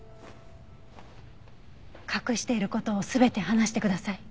隠している事を全て話してください。